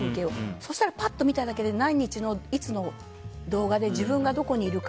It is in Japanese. そしたらパッと見ただけで何日の動画で自分がどこにいるか。